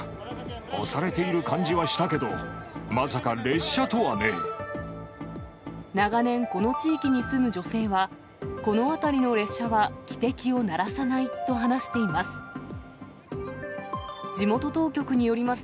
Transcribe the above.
押されている感じはしたけど、長年、この地域に住む女性は、この辺りの列車は汽笛を鳴らさないと話しています。